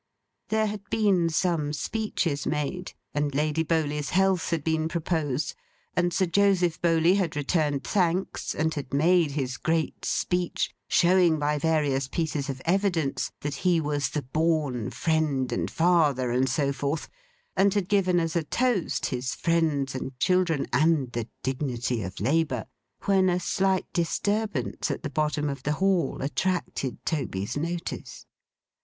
There had been some speeches made; and Lady Bowley's health had been proposed; and Sir Joseph Bowley had returned thanks, and had made his great speech, showing by various pieces of evidence that he was the born Friend and Father, and so forth; and had given as a Toast, his Friends and Children, and the Dignity of Labour; when a slight disturbance at the bottom of the Hall attracted Toby's notice.